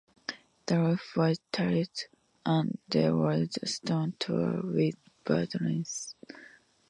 The roof was tiled, and there was a stone tower, with buttresses.